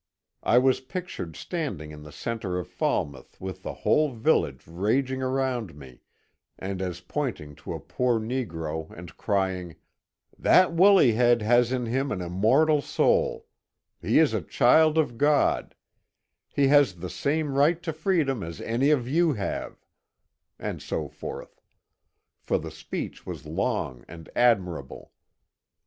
I was pictured standing in the centre of Falmouth with the whole village raging around me, and as pointing to a poor negro and crying, " That woolly head has in him an immortal soul ; he is a child of God ; he has the same right to freedom as any of you have," and so forth ; for the speech was long and admirable.